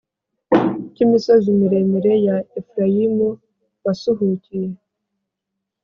Cy imisozi miremire ya efurayimu wasuhukiye